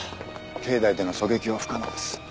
境内での狙撃は不可能です。